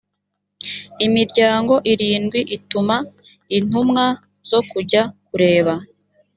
imiryango irindwi ituma intumwa zo kujya kureba